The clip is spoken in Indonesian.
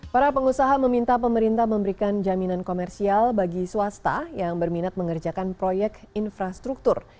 para pengusaha meminta pemerintah memberikan jaminan komersial bagi swasta yang berminat mengerjakan proyek infrastruktur